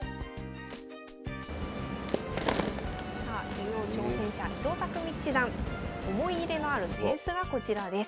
竜王挑戦者伊藤匠七段思い入れのある扇子がこちらです。